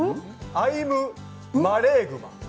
アイムマレーグマ？